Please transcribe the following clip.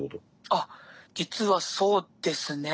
あっ実はそうですね。